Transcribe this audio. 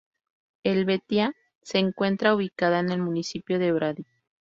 Helvetia se encuentra ubicada en el municipio de Brady.